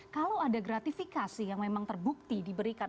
kalau ada gratifikasi yang memang terbukti diberikan